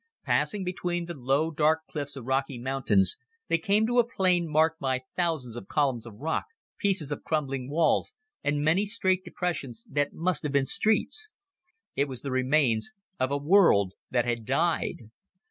Passing between the low, dark cliffs of rocky mountains, they came to a plain marked by thousands of columns of rock, pieces of crumbling walls, and many straight depressions that must have been streets. It was the remains of a world that had died.